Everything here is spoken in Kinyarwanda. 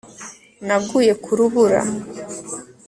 Naguye ku rubura